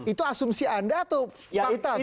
itu asumsi anda atau fakta